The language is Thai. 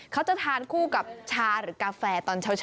เขาจะทานกับกาแฟกันเชียว